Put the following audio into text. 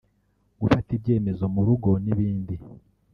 gufata ibyemezo mu rugo n’ibindi